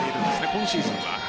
今シーズンは。